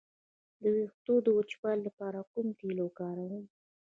د ویښتو د وچوالي لپاره کوم تېل وکاروم؟